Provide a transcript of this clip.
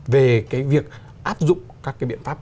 về cái việc áp dụng các cái biện pháp